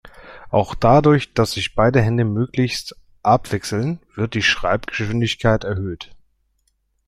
Auch dadurch, dass sich beide Hände möglichst abwechseln, wird die Schreibgeschwindigkeit erhöht.